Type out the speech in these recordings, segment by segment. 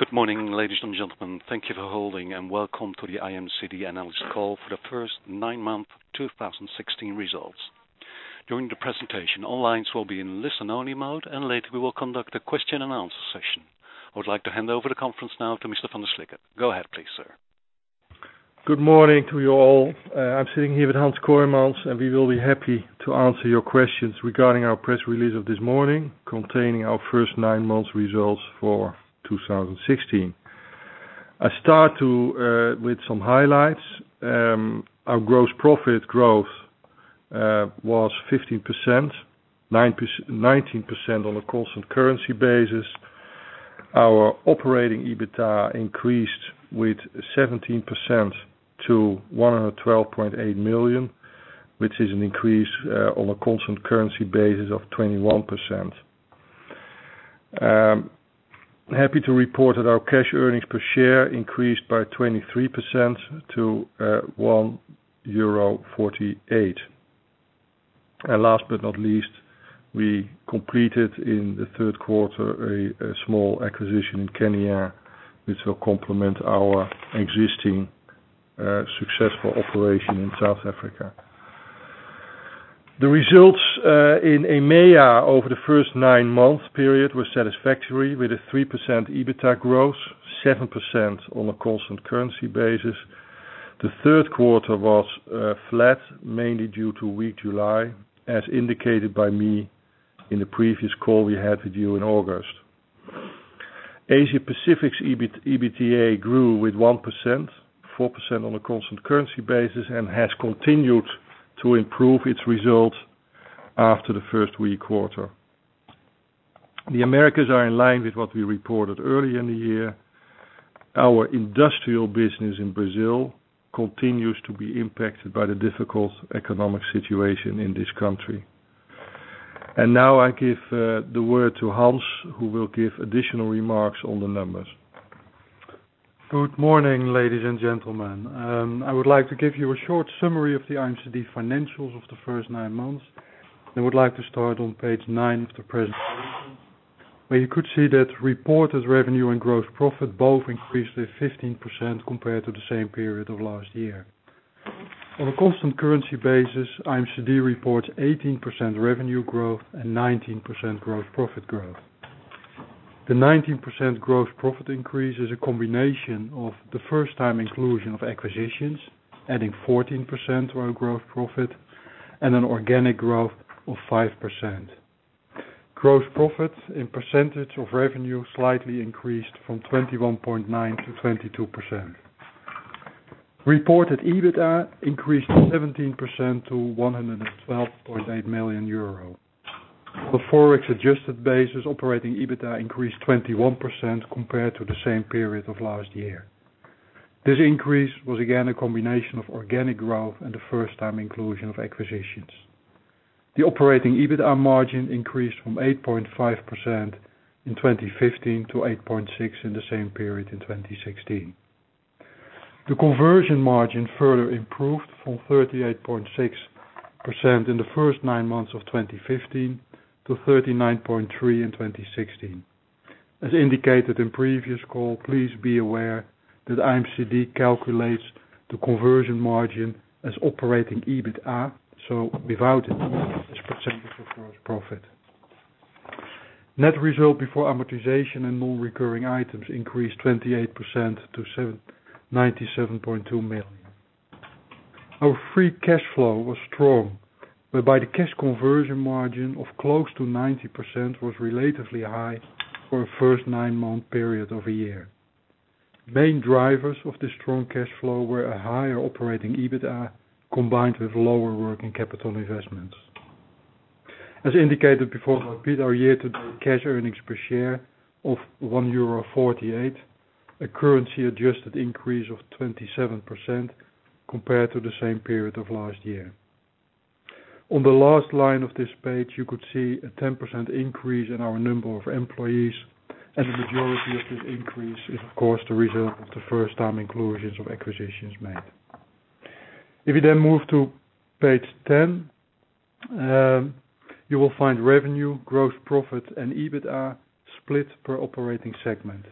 Good morning, ladies and gentlemen. Thank you for holding and welcome to the IMCD analyst call for the first nine months 2016 results. During the presentation, all lines will be in listen-only mode, and later we will conduct a question and answer session. I would like to hand over the conference now to Mr. Van der Slikke. Go ahead, please, sir. Good morning to you all. I'm sitting here with Hans Kooijmans, and we will be happy to answer your questions regarding our press release of this morning containing our first nine months results for 2016. I start with some highlights. Our gross profit growth was 15%, 19% on a constant currency basis. Our operating EBITA increased with 17% to 112.8 million, which is an increase on a constant currency basis of 21%. I'm happy to report that our cash earnings per share increased by 23% to 1.48 euro. Last but not least, we completed in the third quarter a small acquisition in Kenya, which will complement our existing successful operation in South Africa. The results in EMEA over the first nine-month period were satisfactory, with a 3% EBITA growth, 7% on a constant currency basis. The third quarter was flat, mainly due to weak July, as indicated by me in the previous call we had with you in August. Asia Pacific's EBITA grew with 1%, 4% on a constant currency basis and has continued to improve its results after the first weak quarter. The Americas are in line with what we reported earlier in the year. Our industrial business in Brazil continues to be impacted by the difficult economic situation in this country. Now I give the word to Hans, who will give additional remarks on the numbers. Good morning, ladies and gentlemen. I would like to give you a short summary of the IMCD financials of the first nine months. I would like to start on page nine of the presentation, where you could see that reported revenue and gross profit both increased with 15% compared to the same period of last year. On a constant currency basis, IMCD reports 18% revenue growth and 19% gross profit growth. The 19% gross profit increase is a combination of the first-time inclusion of acquisitions, adding 14% to our growth profit, and an organic growth of 5%. Gross profit in percentage of revenue slightly increased from 21.9% to 22%. Reported EBITA increased 17% to 112.8 million euro. On a ForEx-adjusted basis, operating EBITA increased 21% compared to the same period of last year. This increase was again a combination of organic growth and the first-time inclusion of acquisitions. The operating EBITDA margin increased from 8.5% in 2015 to 8.6% in the same period in 2016. The conversion margin further improved from 38.6% in the first nine months of 2015 to 39.3% in 2016. As indicated in previous call, please be aware that IMCD calculates the conversion margin as operating EBITDA, so without it as a percentage of gross profit. Net result before amortization and non-recurring items increased 28% to 97.2 million. Our free cash flow was strong, whereby the cash conversion margin of close to 90% was relatively high for a first nine-month period of a year. Main drivers of this strong cash flow were a higher operating EBITDA combined with lower working capital investments. As indicated before, our year-to-date cash earnings per share of 1.48 euro, a currency-adjusted increase of 27% compared to the same period of last year. On the last line of this page, you could see a 10% increase in our number of employees. The majority of this increase is, of course, the result of the first-time inclusions of acquisitions made. If you move to page 10, you will find revenue, gross profit, and EBITDA split per operating segment.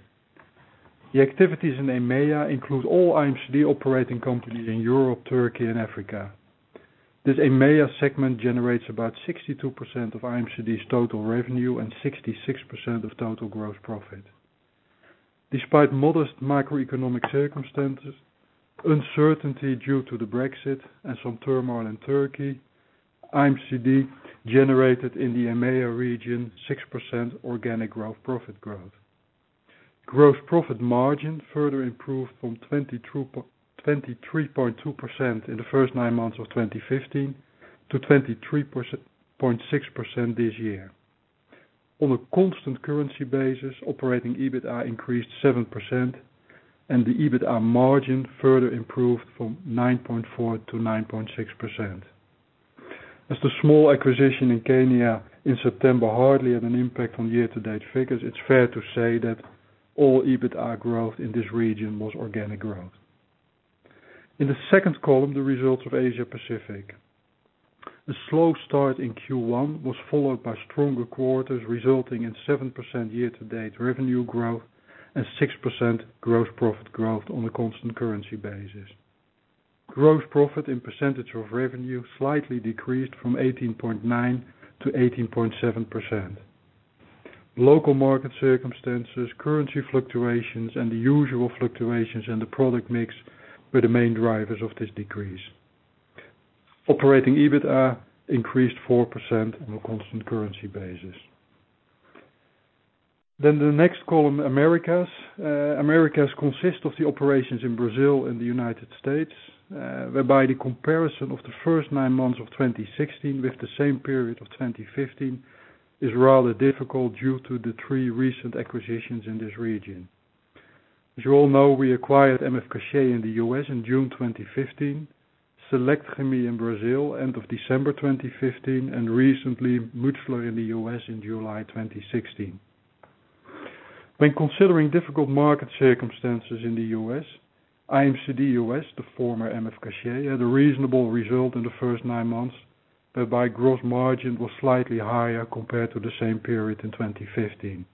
The activities in EMEA include all IMCD operating companies in Europe, Turkey, and Africa. This EMEA segment generates about 62% of IMCD's total revenue and 66% of total gross profit. Despite modest macroeconomic circumstances, uncertainty due to the Brexit, and some turmoil in Turkey, IMCD generated in the EMEA region 6% organic growth profit growth. Gross profit margin further improved from 23.2% in the first nine months of 2015 to 23.6% this year. On a constant currency basis, operating EBITDA increased 7%, and the EBITDA margin further improved from 9.4% to 9.6%. As the small acquisition in Kenya in September hardly had an impact on year-to-date figures, it's fair to say that all EBITDA growth in this region was organic growth. In the second column, the results of Asia Pacific. A slow start in Q1 was followed by stronger quarters, resulting in 7% year-to-date revenue growth and 6% gross profit growth on a constant currency basis. Gross profit and percentage of revenue slightly decreased from 18.9% to 18.7%. Local market circumstances, currency fluctuations, and the usual fluctuations in the product mix were the main drivers of this decrease. Operating EBITDA increased 4% on a constant currency basis. The next column, Americas. Americas consists of the operations in Brazil and the U.S., whereby the comparison of the first nine months of 2016 with the same period of 2015 is rather difficult due to the three recent acquisitions in this region. As you all know, we acquired MF Cachat in the U.S. in June 2015, Selectchemie in Brazil end of December 2015, and recently Mutchler in the U.S. in July 2016. When considering difficult market circumstances in the U.S., IMCD US, the former MF Cachat, had a reasonable result in the first nine months, whereby gross margin was slightly higher compared to the same period in 2015.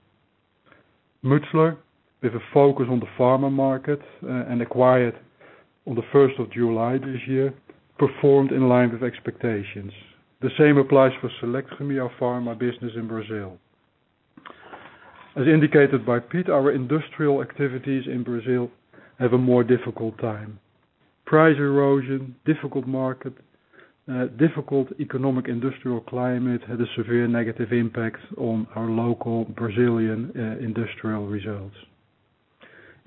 Mutchler, with a focus on the pharma market and acquired on the 1st of July this year, performed in line with expectations. The same applies for Selectchemie Pharma business in Brazil. As indicated by Piet, our industrial activities in Brazil have a more difficult time. Price erosion, difficult market, difficult economic industrial climate had a severe negative impact on our local Brazilian industrial results.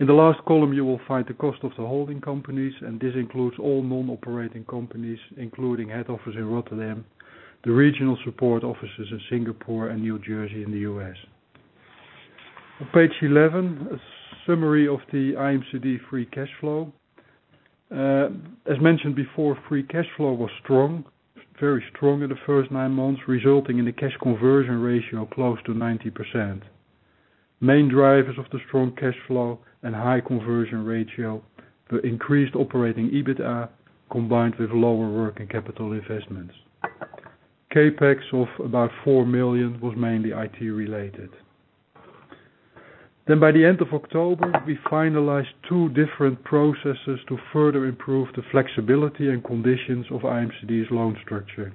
In the last column, you will find the cost of the holding companies. This includes all non-operating companies, including head office in Rotterdam, the regional support offices in Singapore and New Jersey in the U.S. On page 11, a summary of the IMCD free cash flow. As mentioned before, free cash flow was very strong in the first nine months, resulting in a cash conversion ratio close to 90%. Main drivers of the strong cash flow and high conversion ratio were increased operating EBITDA combined with lower working capital investments. CapEx of about 4 million was mainly IT related. By the end of October, we finalized two different processes to further improve the flexibility and conditions of IMCD's loan structure.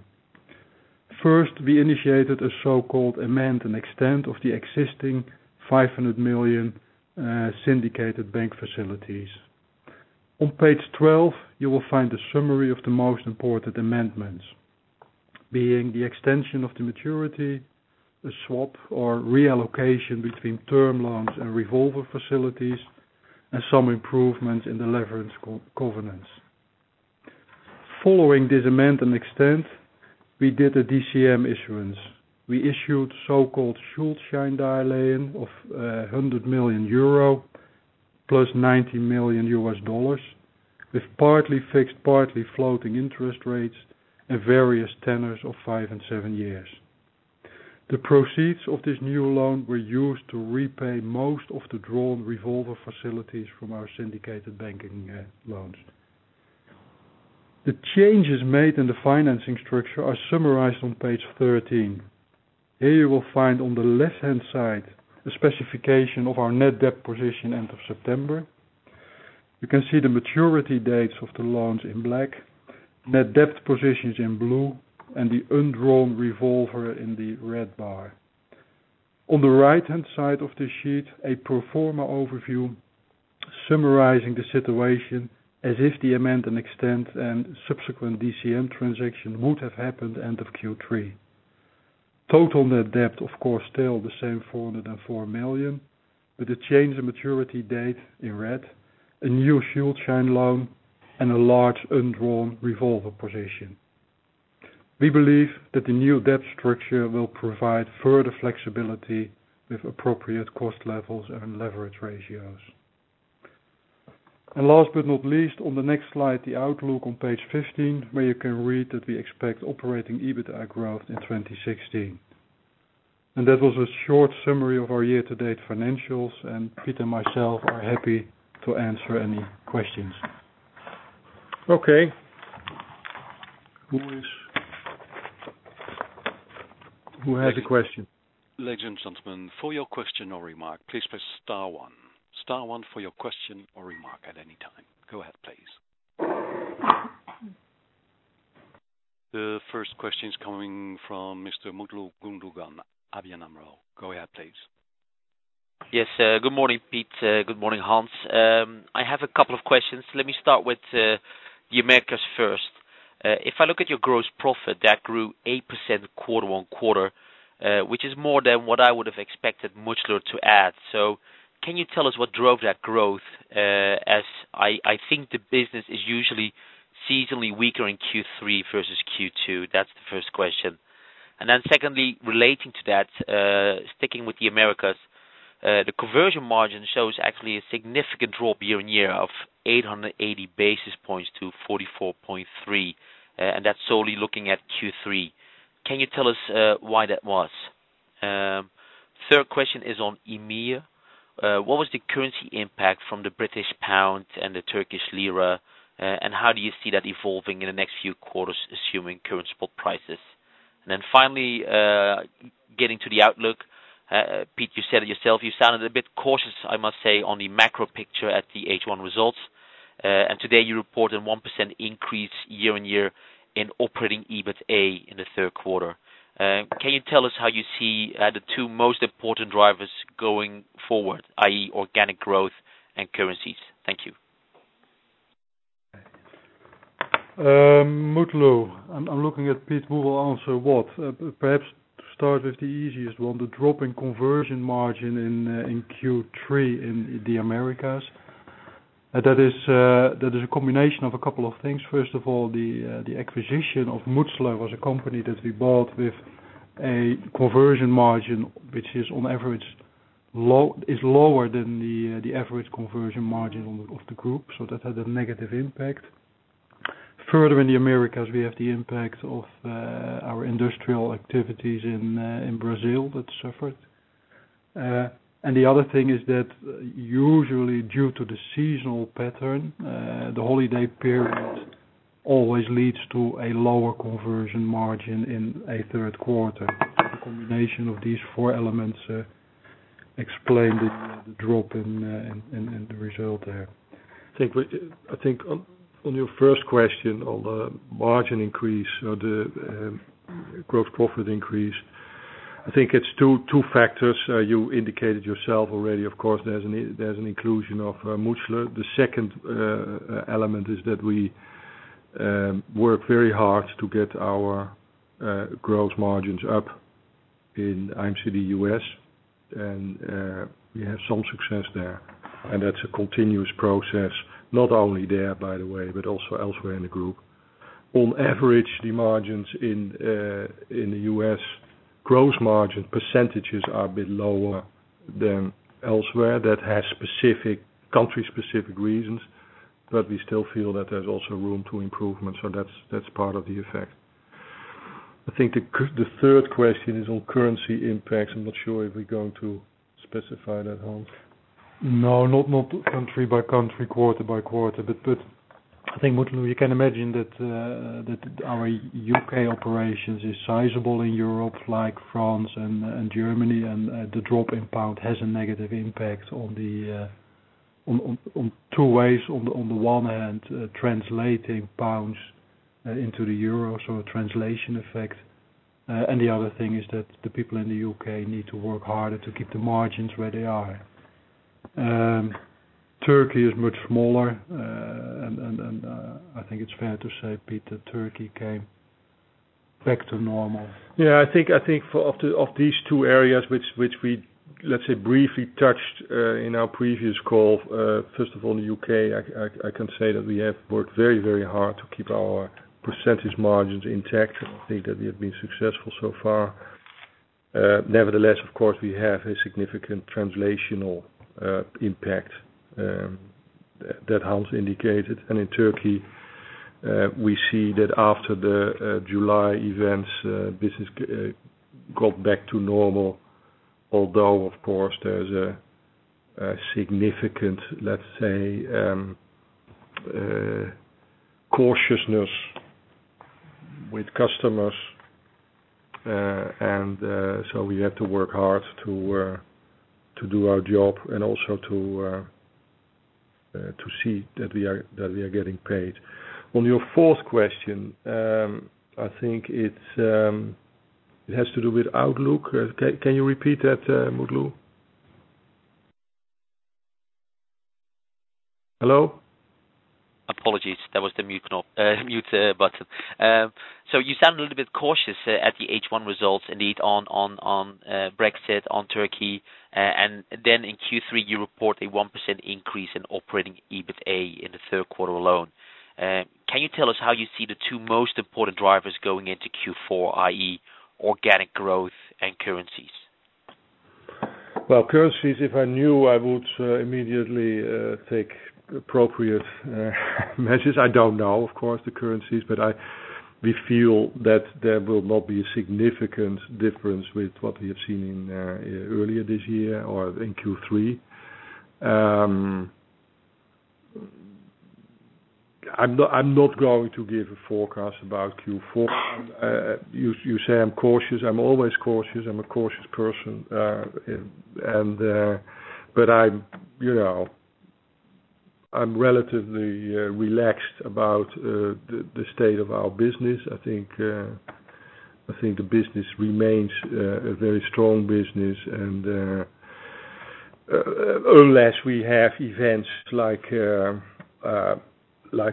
First, we initiated a so-called amend and extend of the existing 500 million syndicated bank facilities. On page 12, you will find a summary of the most important amendments, being the extension of the maturity, the swap or reallocation between term loans and revolver facilities, and some improvements in the leverage covenants. Following this amend and extend, we did a DCM issuance. We issued so-called Schuldscheindarlehen of 100 million euro plus $90 million, with partly fixed, partly floating interest rates and various tenors of five and seven years. The proceeds of this new loan were used to repay most of the drawn revolver facilities from our syndicated banking loans. The changes made in the financing structure are summarized on page 13. Here you will find on the left-hand side a specification of our net debt position end of September. You can see the maturity dates of the loans in black, net debt positions in blue, and the undrawn revolver in the red bar. On the right-hand side of this sheet, a pro forma overview summarizing the situation as if the amend and extend and subsequent DCM transaction would have happened end of Q3. Total net debt, of course, still the same 404 million, with a change in maturity date in red, a new Schuldschein loan, and a large undrawn revolver position. We believe that the new debt structure will provide further flexibility with appropriate cost levels and leverage ratios. Last but not least, on the next slide, the outlook on page 15, where you can read that we expect operating EBITDA growth in 2016. That was a short summary of our year-to-date financials, and Piet and myself are happy to answer any questions. Okay. Who has a question? Ladies and gentlemen, for your question or remark, please press star one. Star one for your question or remark at any time. Go ahead, please. The first question is coming from Mr. Mutlu Gundogan, ABN AMRO. Go ahead, please. Yes. Good morning, Piet. Good morning, Hans. I have a couple of questions. Let me start with the Americas first. If I look at your gross profit, that grew 8% quarter-on-quarter, which is more than what I would have expected Mutchler to add. Can you tell us what drove that growth? As I think the business is usually seasonally weaker in Q3 versus Q2. That's the first question. Secondly, relating to that, sticking with the Americas, the conversion margin shows actually a significant drop year-on-year of 880 basis points to 44.3%, and that's solely looking at Q3. Can you tell us why that was? Third question is on EMEA. What was the currency impact from the British pound and the Turkish lira, and how do you see that evolving in the next few quarters, assuming current spot prices? Finally, getting to the outlook. Piet, you said it yourself, you sounded a bit cautious, I must say, on the macro picture at the H1 results. Today you reported 1% increase year-on-year in operating EBITA in the third quarter. Can you tell us how you see the two most important drivers going forward, i.e. organic growth and currencies? Thank you. Mutlu. I'm looking at Piet who will answer what. Perhaps to start with the easiest one, the drop in conversion margin in Q3 in the Americas. That is a combination of a couple of things. First of all, the acquisition of Mutchler was a company that we bought with a conversion margin, which is lower than the average conversion margin of the group. That had a negative impact. Further in the Americas, we have the impact of our industrial activities in Brazil that suffered. The other thing is that usually due to the seasonal pattern, the holiday period always leads to a lower conversion margin in a third quarter. The combination of these four elements explain the drop in the result there. I think on your first question on the margin increase or the gross profit increase, I think it's two factors. You indicated yourself already, of course, there's an inclusion of Mutchler. The second element is that we work very hard to get our gross margins up in IMCD US, and we have some success there. That's a continuous process, not only there, by the way, but also elsewhere in the group. On average, the margins in the U.S., gross margin percentages are a bit lower than elsewhere. That has country-specific reasons, but we still feel that there's also room to improvement. That's part of the effect. I'm not sure if we're going to specify that, Hans. No, not country by country, quarter by quarter. I think, Mutlu, you can imagine that our U.K. operations is sizable in Europe like France and Germany, and the drop in pound has a negative impact on two ways. On the one hand, translating pounds into the euro, so a translation effect. The other thing is that the people in the U.K. need to work harder to keep the margins where they are. Turkey is much smaller, and I think it's fair to say, Piet, that Turkey came back to normal. Yeah, I think of these two areas which we, let's say, briefly touched in our previous call. First of all, the U.K., I can say that we have worked very hard to keep our % margins intact. I think that we have been successful so far. Nevertheless, of course, we have a significant translational impact that Hans indicated. In Turkey, we see that after the July events, business got back to normal, although of course, there's a significant, let's say, cautiousness with customers. So we have to work hard to do our job and also to see that we are getting paid. On your fourth question, I think it has to do with outlook. Can you repeat that, Mutlu? Hello? Apologies. That was the mute button. You sound a little bit cautious at the H1 results indeed, on Brexit, on Turkey. In Q3, you report a 1% increase in operating EBITA in the third quarter alone. Can you tell us how you see the two most important drivers going into Q4, i.e. organic growth and currencies? Well, currencies, if I knew, I would immediately take appropriate measures. I don't know, of course, the currencies. We feel that there will not be a significant difference with what we have seen earlier this year or in Q3. I'm not going to give a forecast about Q4. You say I'm cautious. I'm always cautious. I'm a cautious person. I'm relatively relaxed about the state of our business. I think the business remains a very strong business. Unless we have events like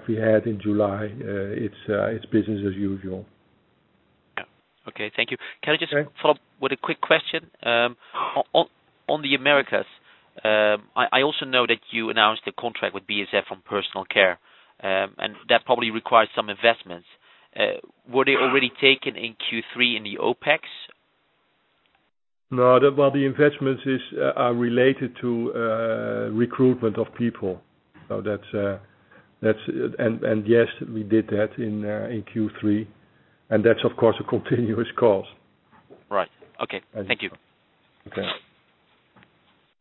we had in July, it's business as usual. Yeah. Okay. Thank you. Okay. Can I just follow up with a quick question? On the Americas, I also know that you announced a contract with BASF on personal care. That probably requires some investments. Were they already taken in Q3 in the OpEx? No. Well, the investments are related to recruitment of people. Yes, we did that in Q3. That's, of course, a continuous cost. Right. Okay. Thank you. Okay.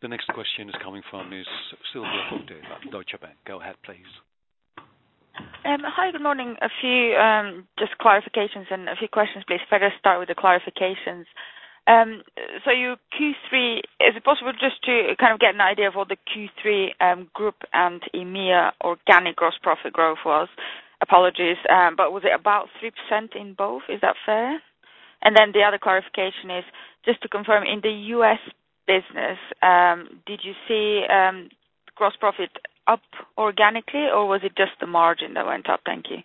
The next question is coming from Ms. Silvia Holte of Deutsche Bank. Go ahead, please. Hi, good morning. A few just clarifications and a few questions, please. If I just start with the clarifications. Your Q3, is it possible just to kind of get an idea of what the Q3 group and EMEA organic gross profit growth was? Apologies, was it about 3% in both? Is that fair? The other clarification is just to confirm, in the U.S. business, did you see gross profit up organically, or was it just the margin that went up? Thank you.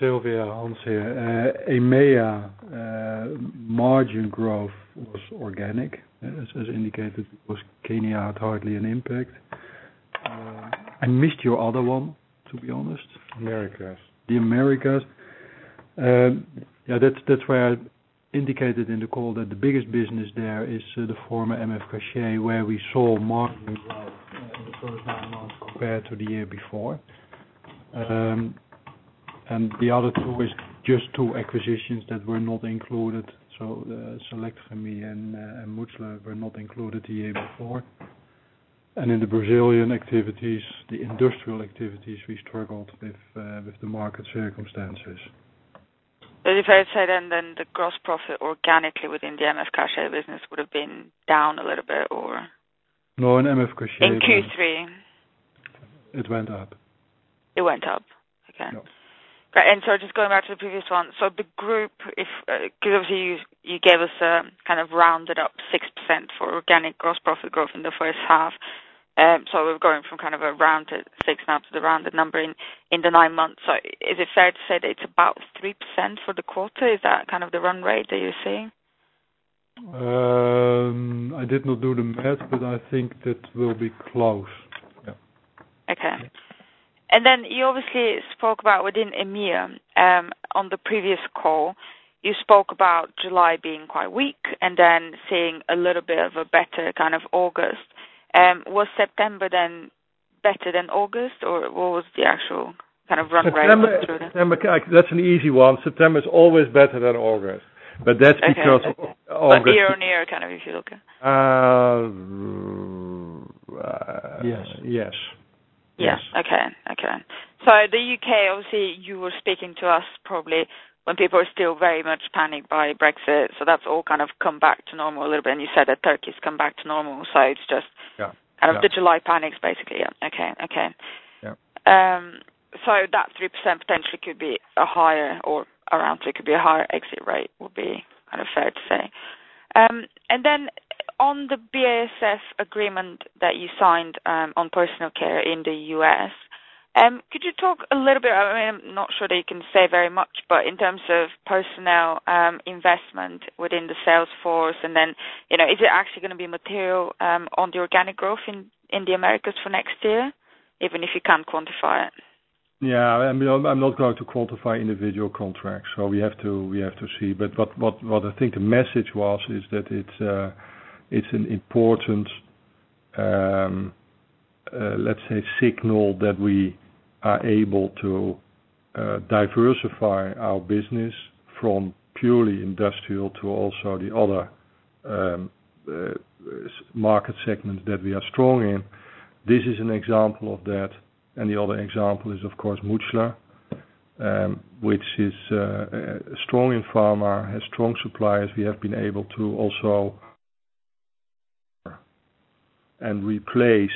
Silvia, Hans here. EMEA margin growth was organic, as indicated, because Kenya had hardly an impact. I missed your other one, to be honest. Americas. The Americas. That's where I indicated in the call that the biggest business there is the former MF Cachat, where we saw margin growth in the first nine months compared to the year before. The other two is just two acquisitions that were not included. Selectchemie and Mutchler were not included the year before. In the Brazilian activities, the industrial activities, we struggled with the market circumstances. If I had said then the gross profit organically within the MF Cachat business would have been down a little bit, or? No, in MF Cachat- In Q3. It went up. It went up? Okay. Yeah. Right. Just going back to the previous one. The group, because obviously you gave us a kind of rounded up 6% for organic gross profit growth in the first half. We've gone from kind of a rounded six now to the rounded number in the nine months. Is it fair to say that it's about 3% for the quarter? Is that kind of the run rate that you're seeing? I did not do the math, but I think that will be close. Yeah. Okay. You obviously spoke about within EMEA, on the previous call, you spoke about July being quite weak and seeing a little bit of a better kind of August. Was September better than August, or what was the actual kind of run rate through that? That's an easy one. September is always better than August. That's because August- Okay. Year-on-year kind of if you look at it. Yes. Yes. Yes. Okay. The U.K., obviously, you were speaking to us probably when people are still very much panicked by Brexit. That's all kind of come back to normal a little bit. You said that Turkey's come back to normal. It's just- Yeah the July panics, basically. Yeah. Okay. Yeah. That 3% potentially could be a higher or around 3% could be a higher exit rate, would be kind of fair to say. On the BASF agreement that you signed on personal care in the U.S., could you talk a little bit, I'm not sure that you can say very much, but in terms of personnel investment within the sales force, then is it actually going to be material on the organic growth in the Americas for next year, even if you can't quantify it? I'm not going to quantify individual contracts, we have to see. What I think the message was is that it's an important, let's say, signal that we are able to diversify our business from purely industrial to also the other market segments that we are strong in. This is an example of that, the other example is, of course, Mutchler, which is strong in pharma, has strong suppliers. We have been able to also replace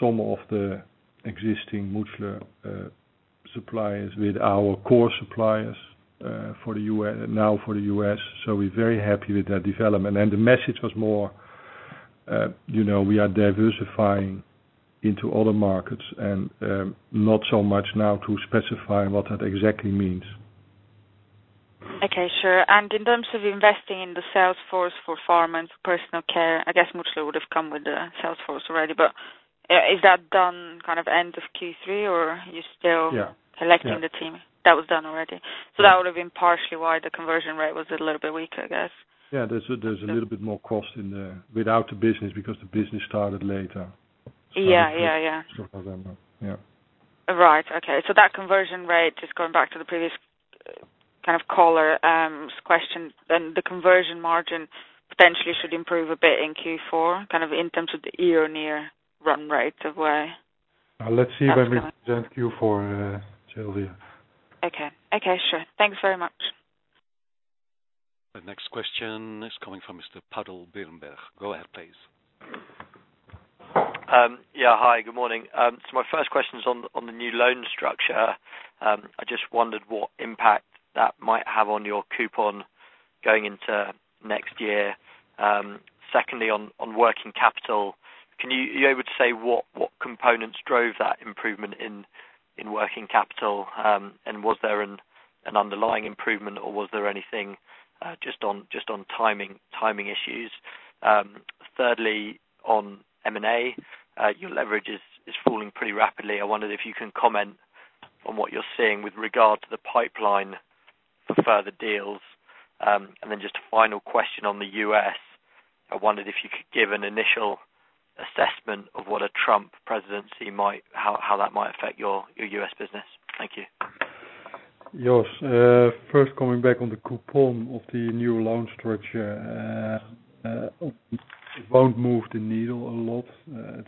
some of the existing Mutchler suppliers with our core suppliers now for the U.S. We're very happy with that development. The message was more, we are diversifying into other markets and not so much now to specify what that exactly means. Okay, sure. In terms of investing in the sales force for pharma and for personal care, I guess Mutchler would have come with the sales force already. Is that done end of Q3? Yeah selecting the team? That was done already? That would have been partially why the conversion margin was a little bit weaker, I guess. Yeah, there's a little bit more cost in there without the business, because the business started later. Yeah. November. Yeah. Right. Okay. That conversion margin, just going back to the previous caller's question, then the conversion margin potentially should improve a bit in Q4, kind of in terms of the year-over-year run rate. Let's see when we present Q4, Silvia. Okay. Sure. Thanks very much. The next question is coming from Mr. Padal Birnenberg. Go ahead, please. Yeah. Hi, good morning. My first question's on the new loan structure. I just wondered what impact that might have on your coupon going into next year. Secondly, on working capital, are you able to say what components drove that improvement in working capital? And was there an underlying improvement or was there anything just on timing issues? Thirdly, on M&A, your leverage is falling pretty rapidly. I wondered if you can comment on what you're seeing with regard to the pipeline Further deals. And then just a final question on the U.S. I wondered if you could give an initial assessment of what a Trump presidency, how that might affect your U.S. business. Thank you. Jos, first coming back on the coupon of the new loan structure. It won't move the needle a lot.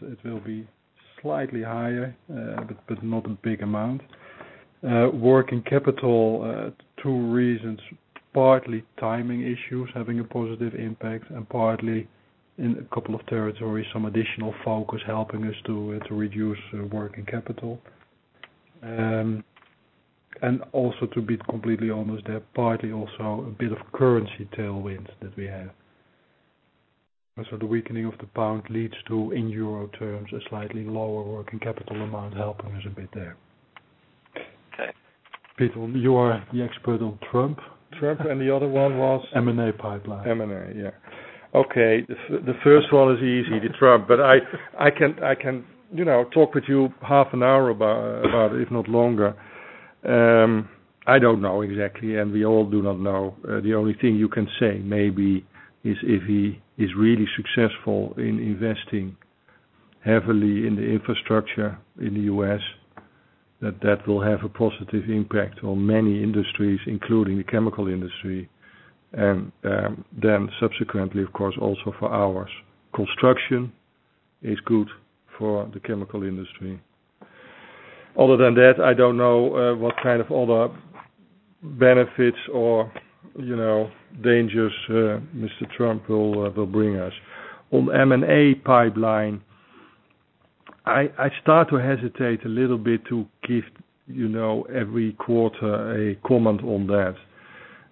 It will be slightly higher, but not a big amount. Working capital, two reasons, partly timing issues, having a positive impact, and partly in a couple of territories, some additional focus helping us to reduce working capital. Also to be completely honest, partly also a bit of currency tailwinds that we have. The weakening of the pound leads to, in Euro terms, a slightly lower working capital amount, helping us a bit there. Okay. Peter, you are the expert on Trump. Trump, and the other one was? M&A pipeline. M&A. Yeah. Okay. The first one is easy, the Trump, but I can talk with you half an hour about it, if not longer. I don't know exactly, we all do not know. The only thing you can say maybe is if he is really successful in investing heavily in the infrastructure in the U.S., that that will have a positive impact on many industries, including the chemical industry. Then subsequently, of course, also for ours. Construction is good for the chemical industry. Other than that, I don't know what kind of other benefits or dangers Mr. Trump will bring us. On M&A pipeline, I start to hesitate a little bit to give every quarter a comment on that,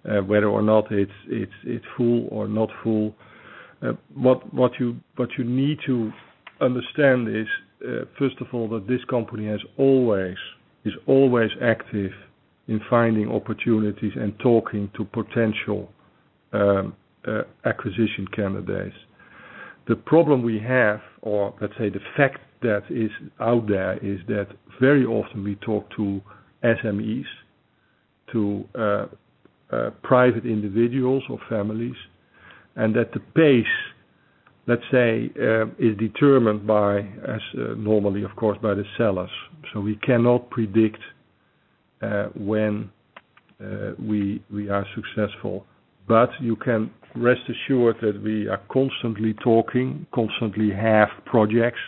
whether or not it's full or not full. What you need to understand is, first of all, that this company is always active in finding opportunities and talking to potential acquisition candidates. The problem we have or let's say the fact that is out there is that very often we talk to SMEs, to private individuals or families, that the pace, let's say, is determined by, as normally, of course, by the sellers. We cannot predict when we are successful, but you can rest assured that we are constantly talking, constantly have projects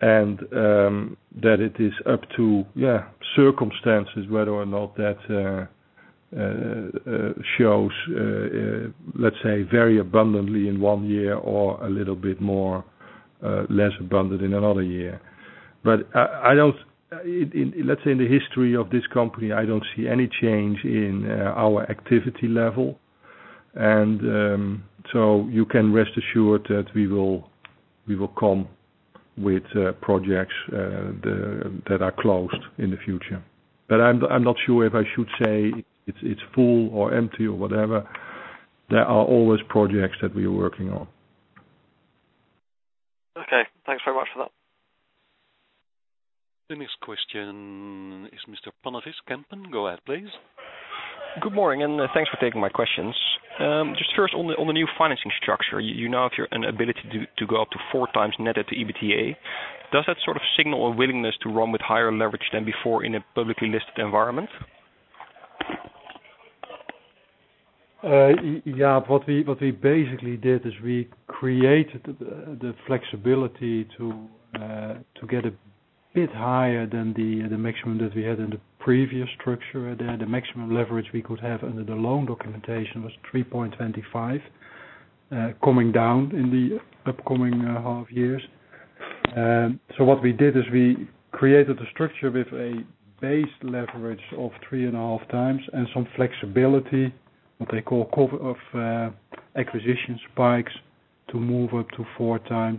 that it is up to circumstances whether or not that shows, let's say, very abundantly in one year or a little bit more less abundant in another year. Let's say in the history of this company, I don't see any change in our activity level. You can rest assured that we will come with projects that are closed in the future. I'm not sure if I should say it's full or empty or whatever. There are always projects that we are working on. Okay. Thanks very much for that. The next question is Mr. Panavis Kampen. Go ahead, please. Good morning, thanks for taking my questions. Just first on the new financing structure. You now have an ability to go up to four times net at the EBITDA. Does that sort of signal a willingness to run with higher leverage than before in a publicly listed environment? Jaap, what we basically did is we created the flexibility to get a bit higher than the maximum that we had in the previous structure. The maximum leverage we could have under the loan documentation was 3.25, coming down in the upcoming half years. What we did is we created a structure with a base leverage of three and a half times and some flexibility, what they call cover of acquisition spikes, to move up to four times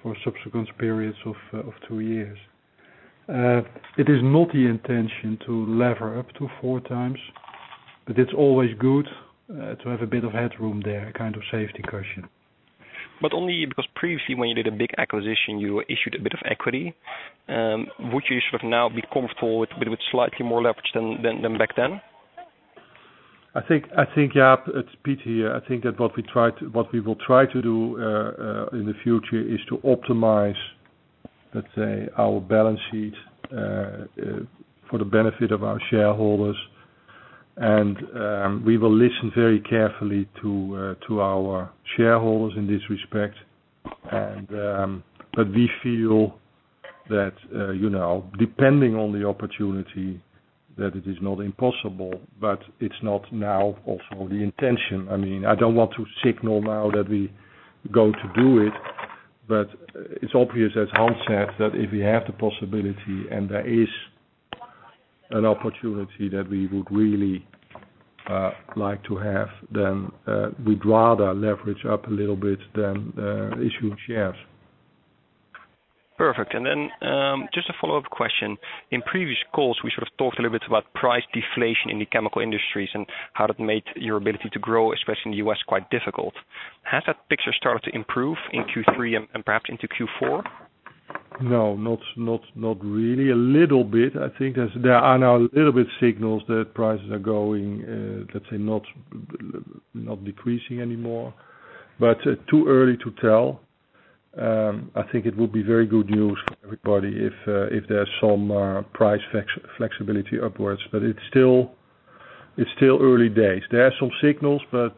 for subsequent periods of two years. It is not the intention to lever up to four times, but it's always good to have a bit of headroom there, a kind of safety cushion. Only because previously when you did a big acquisition, you issued a bit of equity. Would you sort of now be comfortable with slightly more leverage than back then? I think, Jaap, it's pity. I think that what we will try to do in the future is to optimize, let's say, our balance sheet, for the benefit of our shareholders. We will listen very carefully to our shareholders in this respect. We feel that, depending on the opportunity, that it is not impossible, but it's not now also the intention. I don't want to signal now that we are going to do it, but it's obvious, as Hans said, that if we have the possibility and there is an opportunity that we would really like to have, we'd rather leverage up a little bit than issue shares. Perfect. Just a follow-up question. In previous calls, we sort of talked a little bit about price deflation in the chemical industries and how that made your ability to grow, especially in the U.S., quite difficult. Has that picture started to improve in Q3 and perhaps into Q4? No, not really. A little bit. I think there are now a little bit signals that prices are going, let's say, not decreasing anymore, but too early to tell. I think it will be very good news for everybody if there's some price flexibility upwards, but it's still early days. There are some signals, but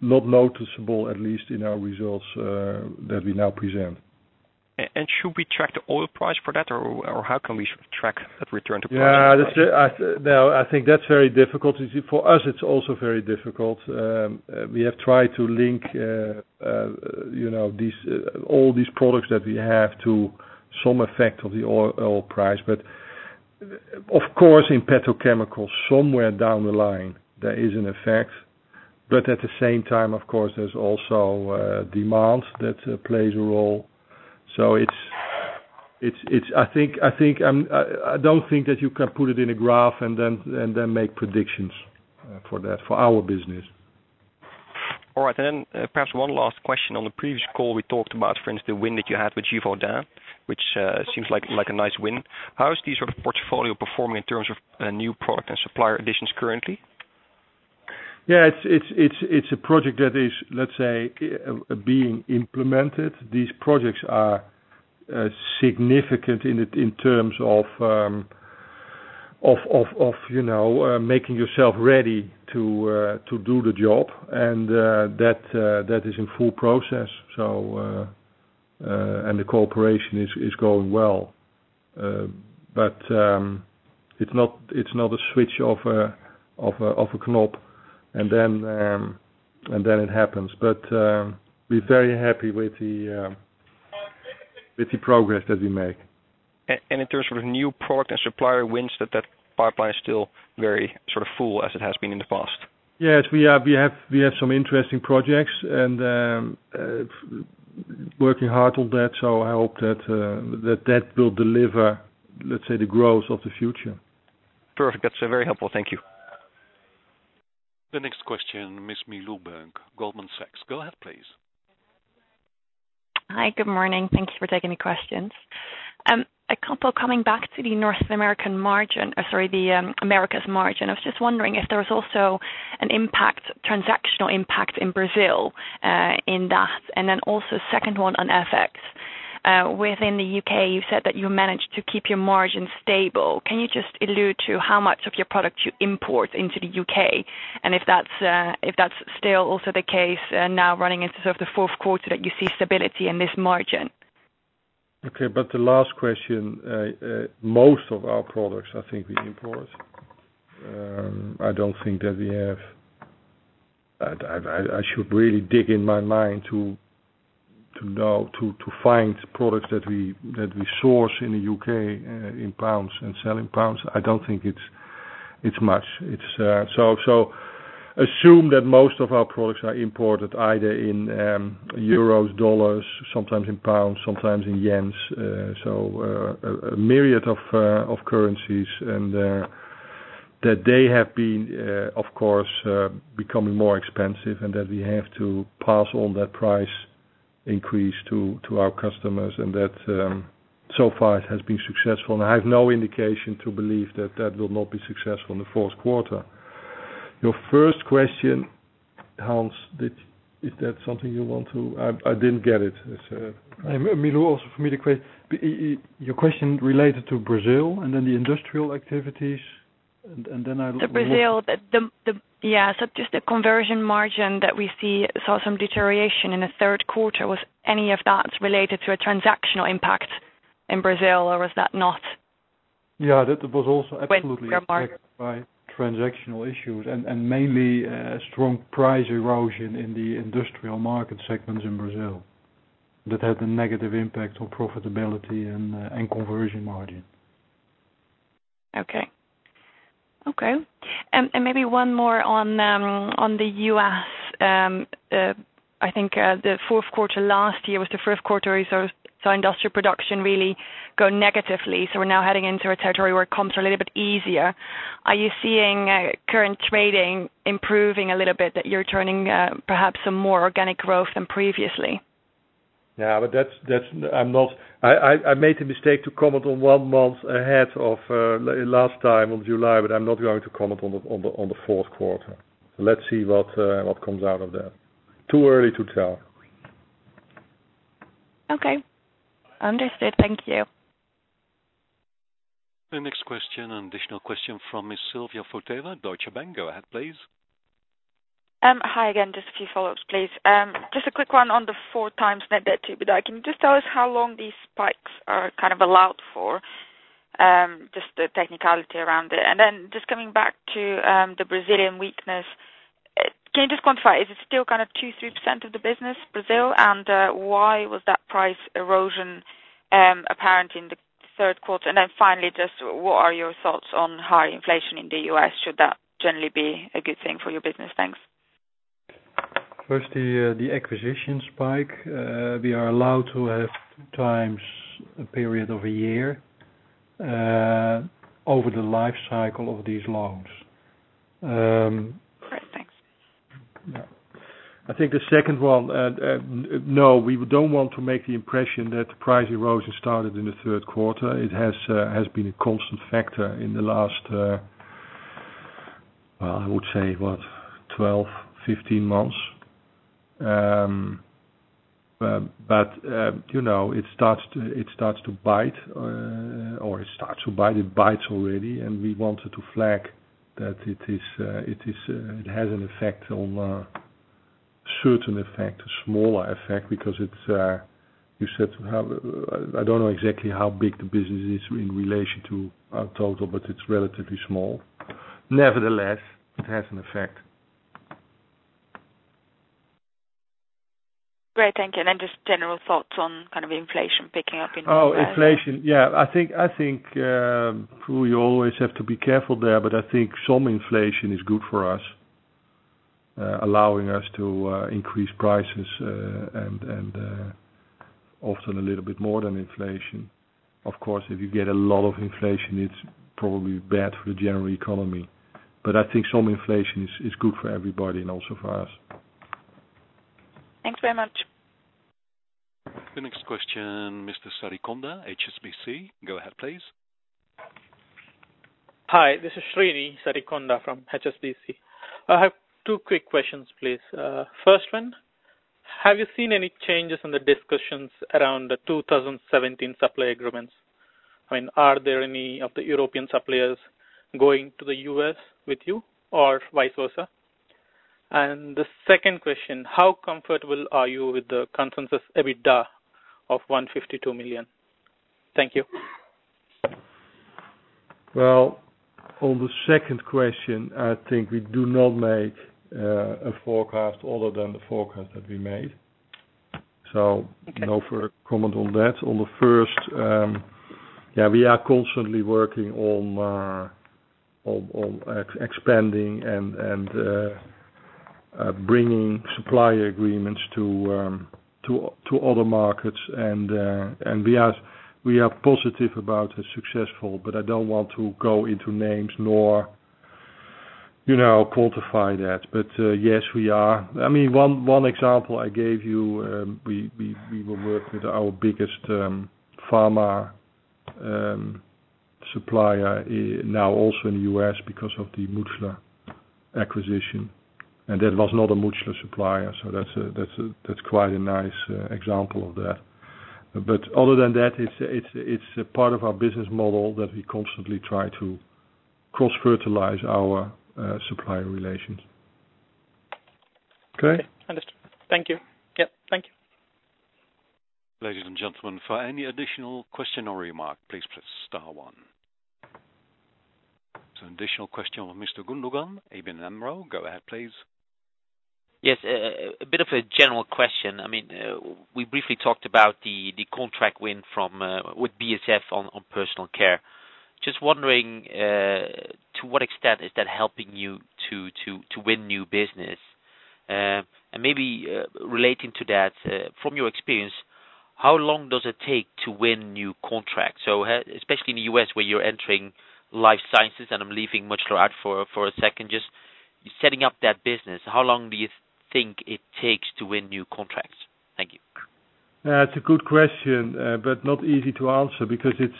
not noticeable, at least in our results that we now present. Should we track the oil price for that, or how can we track that return to prices? No, I think that's very difficult. You see, for us, it's also very difficult. We have tried to link all these products that we have to some effect of the oil price. Of course, in petrochemical, somewhere down the line, there is an effect. At the same time, of course, there's also demand that plays a role. I don't think that you can put it in a graph and then make predictions for that, for our business. All right. Then perhaps one last question. On the previous call, we talked about, for instance, the win that you had with Givaudan, which seems like a nice win. How is this sort of portfolio performing in terms of new product and supplier additions currently? Yeah, it's a project that is, let's say, being implemented. These projects are significant in terms of making yourself ready to do the job and that is in full process. The cooperation is going well. It's not a switch of a knob and then it happens. We're very happy with the progress that we make. In terms of new product and supplier wins, that pipeline is still very full as it has been in the past? Yes, we have some interesting projects and working hard on that. I hope that will deliver, let's say, the growth of the future. Perfect. That's very helpful. Thank you. The next question, Ms. Milou Berg, Goldman Sachs. Go ahead, please. Hi. Good morning. Thank you for taking the questions. A couple coming back to the North American margin, or, sorry, the Americas margin. I was just wondering if there was also a transactional impact in Brazil, in that. Also second one on ForEx. Within the U.K., you said that you managed to keep your margin stable. Can you just allude to how much of your product you import into the U.K.? If that's still also the case now running into the fourth quarter, that you see stability in this margin? Okay. The last question, most of our products, I think, we import. I should really dig in my mind to find products that we source in the U.K. in pounds and sell in pounds. I don't think it's much. Assume that most of our products are imported either in euros, dollars, sometimes in pounds, sometimes in yens. A myriad of currencies, and that they have been, of course, becoming more expensive and that we have to pass on that price increase to our customers and that so far it has been successful and I have no indication to believe that that will not be successful in the fourth quarter. Your first question, Hans, is that something you want to I didn't get it. Milou, also for me to Your question related to Brazil and then the industrial activities. The Brazil, yeah. Just the conversion margin that we saw some deterioration in the third quarter. Was any of that related to a transactional impact in Brazil, or was that not- Yeah, that was also absolutely affected by transactional issues and mainly a strong price erosion in the industrial market segments in Brazil that had a negative impact on profitability and conversion margin. Okay. Maybe one more on the U.S. I think, the fourth quarter last year was the first quarter, industrial production really go negatively. We're now heading into a territory where comps are a little bit easier. Are you seeing current trading improving a little bit, that you're turning perhaps some more organic growth than previously? I made the mistake to comment on one month ahead of last time on July, I'm not going to comment on the fourth quarter. Let's see what comes out of that. Too early to tell. Okay. Understood. Thank you. The next question, additional question from Ms. Silvia Frteva, Deutsche Bank. Go ahead, please. Hi again. Just a few follow-ups, please. Just a quick one on the 4 times net debt to EBITDA. Can you just tell us how long these spikes are allowed for? Just the technicality around it. Just coming back to the Brazilian weakness. Can you just quantify, is it still 2%-3% of the business, Brazil? Why was that price erosion apparent in the third quarter? Finally, just what are your thoughts on high inflation in the U.S.? Should that generally be a good thing for your business? Thanks. First, the acquisition spike. We are allowed to have times a period of a year, over the life cycle of these loans. I think the second one, no, we don't want to make the impression that the price erosion started in the third quarter. It has been a constant factor in the last, I would say, 12-15 months. It starts to bite, it bites already, we wanted to flag that it has an effect on, a certain effect, a smaller effect, because you said, I don't know exactly how big the business is in relation to our total, but it's relatively small. Nevertheless, it has an effect. Great. Thank you. Just general thoughts on inflation picking up in general. Oh, inflation. Yeah. I think you always have to be careful there, but I think some inflation is good for us, allowing us to increase prices and often a little bit more than inflation. Of course, if you get a lot of inflation, it's probably bad for the general economy. I think some inflation is good for everybody and also for us. Thanks very much. The next question, Mr. Sarikonda, HSBC. Go ahead, please. Hi, this is Srini Sarikonda from HSBC. I have two quick questions, please. First one, have you seen any changes in the discussions around the 2017 supply agreements? Are there any of the European suppliers going to the U.S. with you or vice versa? The second question, how comfortable are you with the consensus, EBITDA of 152 million? Thank you. Well, on the second question, I think we do not make a forecast other than the forecast that we made. No further comment on that. On the first, yeah, we are constantly working on expanding and bringing supply agreements to other markets. We are positive about it successful, but I don't want to go into names nor quantify that. Yes, we are. One example I gave you, we will work with our biggest pharma supplier now also in the U.S. because of the Mutchler acquisition. That was not a Mutchler supplier. That's quite a nice example of that. Other than that, it's a part of our business model that we constantly try to cross-fertilize our supplier relations. Okay? Understood. Thank you. Yeah. Thank you. Ladies and gentlemen, for any additional question or remark, please press star one. Additional question from Mr. Gundogan, ABN AMRO. Go ahead, please. Yes. A bit of a general question. We briefly talked about the contract win with BASF on personal care. Just wondering, to what extent is that helping you to win new business? Maybe relating to that, from your experience, how long does it take to win new contracts? Especially in the U.S., where you're entering life sciences, I'm leaving Mutchler out for a second, just setting up that business, how long do you think it takes to win new contracts? Thank you. That's a good question, not easy to answer because it's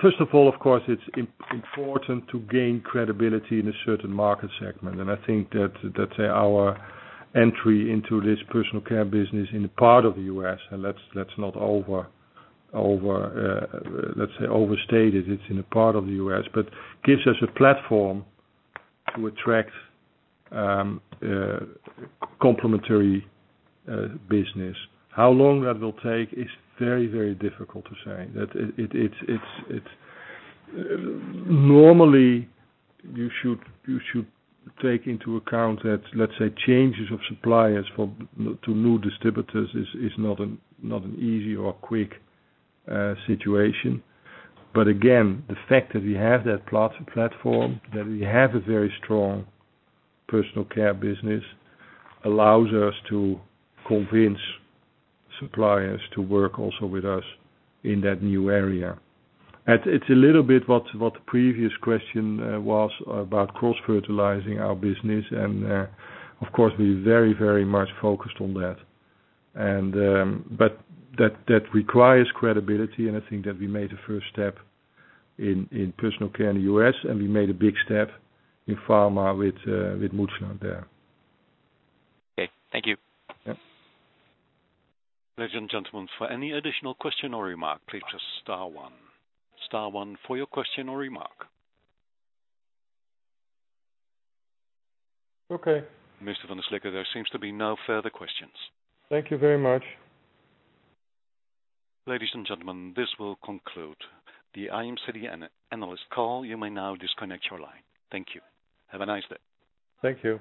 First of all, of course, it's important to gain credibility in a certain market segment. I think that our entry into this personal care business in a part of the U.S., and let's not overstate it's in a part of the U.S., gives us a platform to attract complementary business. How long that will take is very difficult to say. Normally, you should take into account that, let's say, changes of suppliers to new distributors is not an easy or quick situation. Again, the fact that we have that platform, that we have a very strong personal care business, allows us to convince suppliers to work also with us in that new area. It's a little bit what the previous question was about cross-fertilizing our business, and of course, we're very much focused on that. That requires credibility, and I think that we made a first step in personal care in the U.S., and we made a big step in pharma with Mutchler there. Okay. Thank you. Yeah. Ladies and gentlemen, for any additional question or remark, please press star one. Star one for your question or remark. Okay. Mr. van der Slikke, there seems to be no further questions. Thank you very much. Ladies and gentlemen, this will conclude the IMCD analyst call. You may now disconnect your line. Thank you. Have a nice day. Thank you.